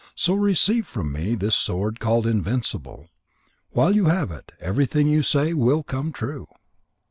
So receive from me this sword called Invincible. While you have it, everything you say will come true."